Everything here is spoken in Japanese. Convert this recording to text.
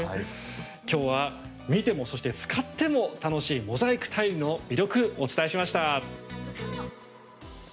きょうは見ても、そして使っても楽しいモザイクタイルの魅力お伝えしました。